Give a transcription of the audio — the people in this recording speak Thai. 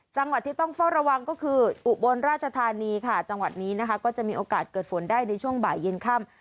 จังหวัดที่ต้องเฝ้าระวังก็คืออุบลราชธานีค่ะจังหวัดนี้นะคะก็จะมีโอกาสเกิดฝนได้ในช่วงบ่ายเย็นค่ำ